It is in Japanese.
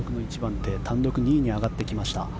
単独の２位に上がってきました。